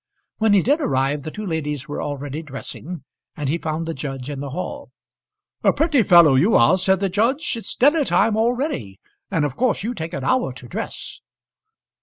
When he did arrive, the two ladies were already dressing, and he found the judge in the hall. "A pretty fellow you are," said the judge. "It's dinner time already, and of course you take an hour to dress."